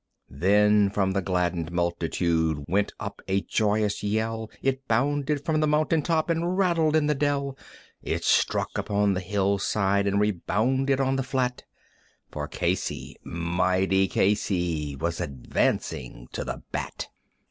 Then from the gladdened multitude went up a joyous yell, It bounded from the mountain top, and rattled in the dell, It struck upon the hillside, and rebounded on the flat; For Casey, mighty Casey, was advancing to the bat.